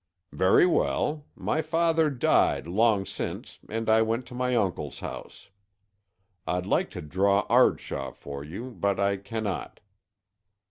"Very well. My father died long since and I went to my uncle's house. I'd like to draw Ardshaw for you, but I cannot.